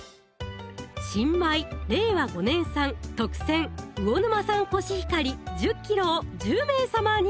「新米令和５年産特選魚沼産こしひかり１０ｋｇ」を１０名様に！